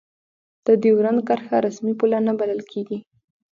د دیورند کرښه رسمي پوله نه بلله کېږي.